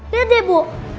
liat deh bu